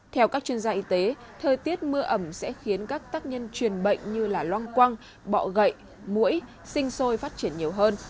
theo các chuyên gia y tế thời tiết mưa ẩm sẽ khiến các tác nhân truyền bệnh như loang quăng bọ gậy mũi sinh sôi phát triển nhiều hơn